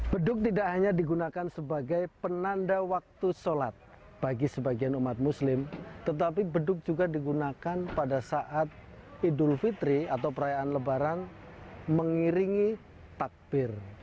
beduk tidak hanya digunakan sebagai penanda waktu sholat bagi sebagian umat muslim tetapi beduk juga digunakan pada saat idul fitri atau perayaan lebaran mengiringi takbir